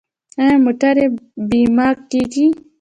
آیا موټرې بیمه کیږي؟